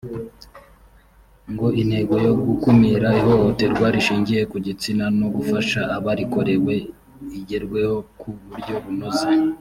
ngo intego yo gukumira ihohoterwa rishingiye ku gitsina no gufasha abarikorewe igerweho ku buryo bunoze